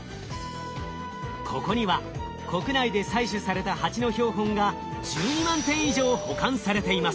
ここには国内で採取されたハチの標本が１２万点以上保管されています。